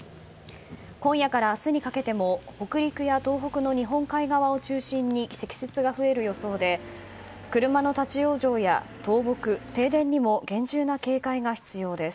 今夜から明日にかけても北陸や東北の日本海側を中心に積雪が増える予想で車の立往生や倒木、停電にも厳重な警戒が必要です。